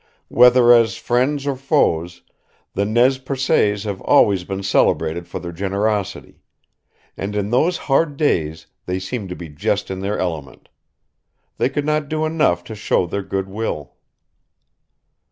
Whether as friends or foes, the Nez Percés have always been celebrated for their generosity; and in those hard days they seemed to be just in their element. They could not do enough to show their good will.